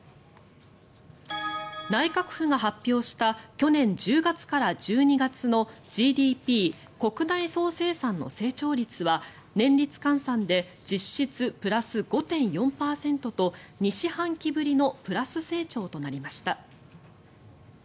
内閣府が発表した去年１０月から１２月のＧＤＰ・国内総生産の成長率は年率換算で実質プラス５．４％と２四半期ぶりのプラス成長となりました。